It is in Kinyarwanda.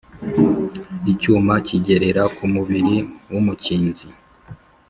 Icyuma kigerera ku mubiri w’umukinzi